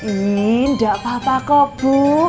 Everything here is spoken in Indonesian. ini gak apa apa kok bu